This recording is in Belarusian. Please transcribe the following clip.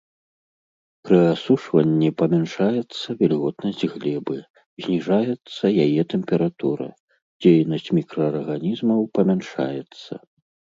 Пры асушванні памяншаецца вільготнасць глебы, зніжаецца яе тэмпература, дзейнасць мікраарганізмаў памяншаецца.